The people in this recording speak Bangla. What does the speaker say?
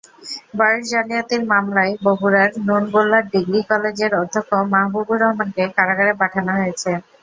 বয়স জালিয়াতির মামলায় বগুড়ার নুনগোলা ডিিগ্র কলেজের অধ্যক্ষ মাহবুবুর রহমানকে কারাগারে পাঠানো হয়েছে।